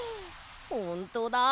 ほんとだ。